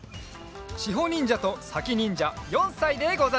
しほにんじゃとさきにんじゃ４さいでござる。